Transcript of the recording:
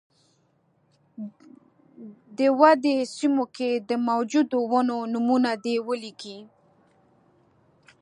د ودې سیمو کې د موجودو ونو نومونه دې ولیکي.